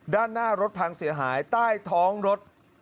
ด้านหน้ารถพังเสียหายใต้ท้องรถ